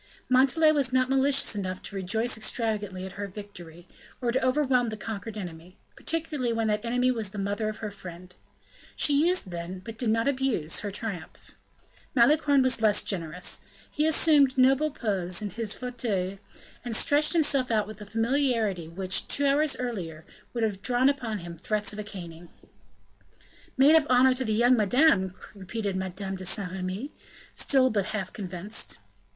Montalais was not malicious enough to rejoice extravagantly at her victory, or to overwhelm the conquered enemy, particularly when that enemy was the mother of her friend; she used then, but did not abuse her triumph. Malicorne was less generous; he assumed noble poses in his fauteuil and stretched himself out with a familiarity which, two hours earlier, would have drawn upon him threats of a caning. "Maid of honor to the young madame!" repeated Madame de Saint Remy, still but half convinced.